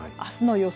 あすの予想